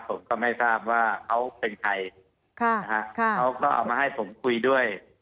ผมก็ไม่ทราบว่าเขาเป็นใครเขาก็เอามาให้ผมคุยด้วย